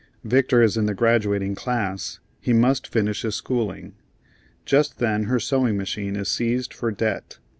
Victor is in the graduating class; he must finish his schooling. Just then her sewing machine is seized for debt.